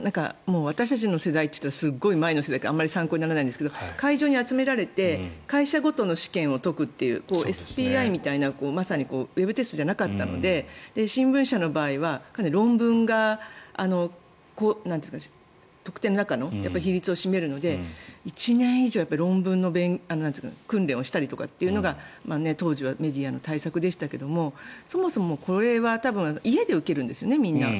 私たちの世代というとすごい前の世代であまり参考にならないんですが会場に集められて会社ごとの試験を解くというＳＰＩみたいな、まさにウェブテストじゃなかったので新聞社の場合は論文が得点の中の比率を占めるので１年以上、論文の訓練をしたりとかというのが当時はメディアの対策でしたがそもそもこれは多分家で受けるんですよね、みんな。